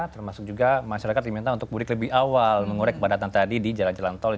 termasuk juga masyarakat diminta untuk budik lebih awal mengurai kepadatan tadi di jalan jalan tol